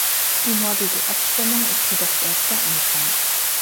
Die morgige Abstimmung ist jedoch erst der Anfang.